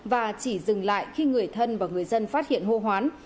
và chỉ dừng lại khi người thân và người dân phát hiện hô hoán